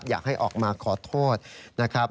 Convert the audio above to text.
อยากให้ออกมาขอโทษนะครับ